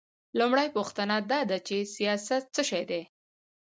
لومړۍ پوښتنه دا ده چې سیاست څه شی دی؟